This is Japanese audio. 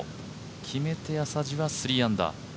決めて浅地は３アンダー。